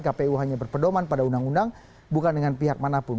kpu hanya berpedoman pada undang undang bukan dengan pihak manapun